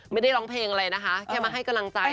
ไม่ได้ร้องเพลงอะไรนะคะแค่มาให้กำลังใจ